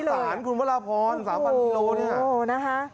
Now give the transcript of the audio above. โอ้โหมาหาสารคุณพระราพร๓๐๐๐กิโลกรัมนี่ค่ะ